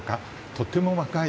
とても若い。